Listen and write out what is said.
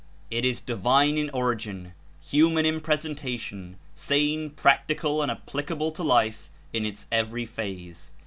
It Is divine In origin, human In presentation, sane, practical and applicable to life In Its every phase.